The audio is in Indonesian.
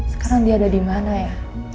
sekarang dia ada dimana ya